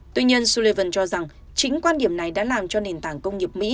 tuy nhiên sullivan cho rằng chính quan điểm này đã làm cho nền tảng công nghiệp mỹ